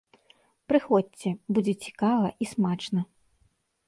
Прыходзьце, будзе цікава і смачна!